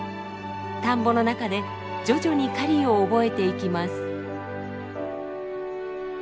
田んぼの中で徐々に狩りを覚えていきます。